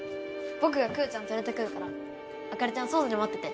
僕がクーちゃん連れてくるから朱莉ちゃんは外で待ってて。